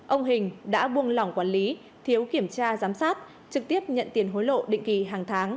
ông hình đã buông lỏng quản lý thiếu kiểm tra giám sát trực tiếp nhận tiền hối lộ định kỳ hàng tháng